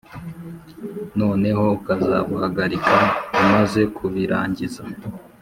noneho ukazabuhagarika umaze kubirangiza